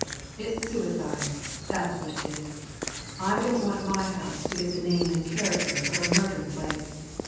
It's suicide, that's what it is. I don't want my house to get the name and character of a murder place!